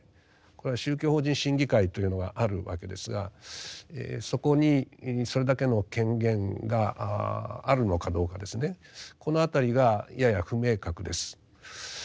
これは宗教法人審議会というのがあるわけですがそこにそれだけの権限があるのかどうかですねこの辺りがやや不明確です。